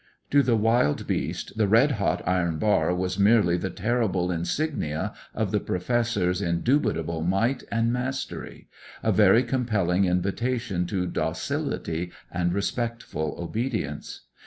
To the wild beast the red hot iron bar was merely the terrible insignia of the Professor's indubitable might and mastery; a very compelling invitation to docility and respectful obedience.